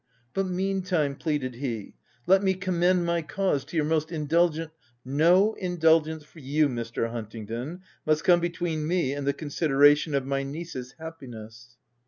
" But meantime," pleaded he, " let me com mend my cause to your most indulgent —"'* No indulgence for you, Mr. Huntingdon, must come between me and the consideration of my niece's happiness."